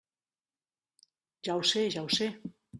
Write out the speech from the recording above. Ja ho sé, ja ho sé.